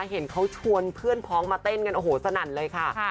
เห็นเขาชวนเพื่อนพ้องมาเต้นกันโอ้โหสนั่นเลยค่ะ